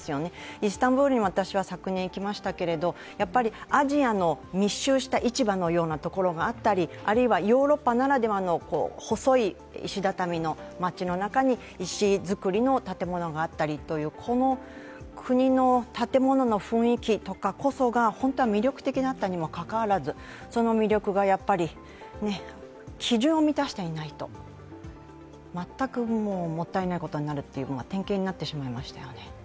イスタンブールにも昨年、私は行きましたけれども、アジアの密集した市場のようなところがあったりあるいはヨーロッパならではの細い石畳の街の中に石造りの建物があったりという、この国の建物の雰囲気こそが本当は魅力的だったにもかかわらず、その魅力がやっぱり基準を満たしていないと全くもったいないことになるという典型になってしまいましたよね。